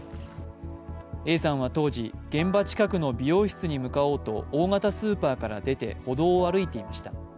Ａさんは当時、現場近くの美容室に向かおうと大型スーパーから出て歩道を歩いていました。